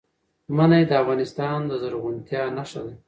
منی د افغانستان د زرغونتیا نښه ده.